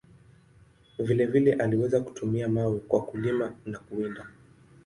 Vile vile, aliweza kutumia mawe kwa kulima na kuwinda.